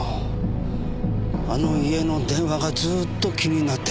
あの家の電話がずーっと気になってた。